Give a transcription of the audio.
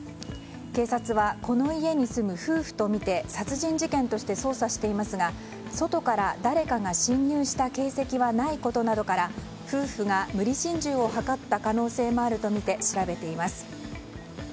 警察は、この家に住む夫婦とみて殺人事件として捜査していますが外から誰かが侵入した形跡はないことなどから夫婦が無理心中を図った可能性もあるとみて調べています。